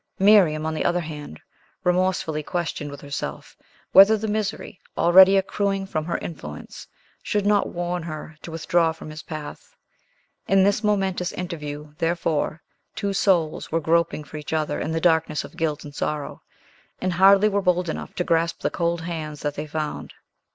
Miriam, on the other hand, remorsefully questioned with herself whether the misery, already accruing from her influence, should not warn her to withdraw from his path. In this momentous interview, therefore, two souls were groping for each other in the darkness of guilt and sorrow, and hardly were bold enough to grasp the cold hands that they found.